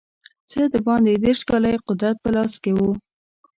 څه باندې دېرش کاله یې قدرت په لاس کې وو.